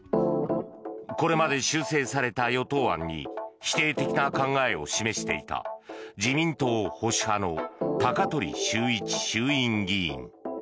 これまで、修正された与党案に否定的な考えを示していた自民党保守派の高鳥修一衆院議員。